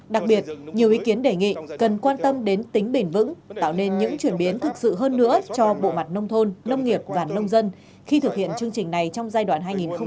đặc biệt nhiều ý kiến đề nghị cần quan tâm đến tính bền vững tạo nên những chuyển biến thực sự hơn nữa cho bộ mặt nông thôn nông nghiệp và nông dân khi thực hiện chương trình này trong giai đoạn hai nghìn một mươi sáu hai nghìn hai mươi